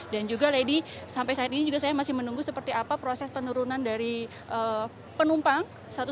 dan juga lady sampai saat ini saya masih menunggu seperti apa proses penurunan dari penumpang